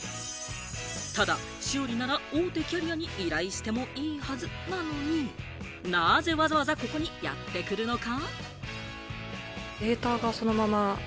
ただ修理なら大手キャリアに依頼してもいいはずなのに、なぜ、わざわざここにやってくるのか？